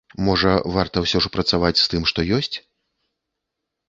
Можа, варта ўсё ж працаваць з тым, што ёсць?